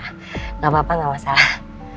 enggak apa apa enggak masalah